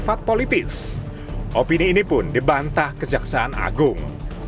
sifat politis opini ini pun dibantah kejaksaan agung